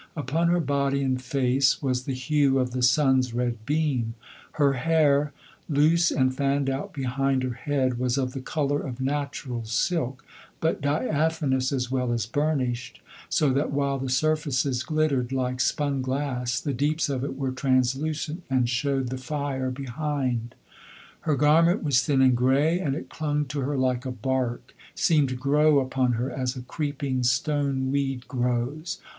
Upon her body and face was the hue of the sun's red beam; her hair, loose and fanned out behind her head, was of the colour of natural silk, but diaphanous as well as burnished, so that while the surfaces glittered like spun glass the deeps of it were translucent and showed the fire behind. Her garment was thin and grey, and it clung to her like a bark, seemed to grow upon her as a creeping stone weed grows.